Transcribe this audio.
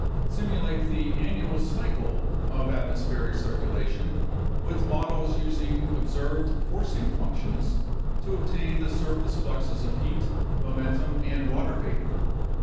Simulate the annual cycle of atmospheric circulation with models using observed forcing functions to obtain the surface fluxes of heat, momentum, and water vapor.